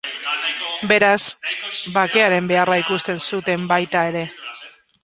Beraz, bakearen beharra ikusten zuten baita ere.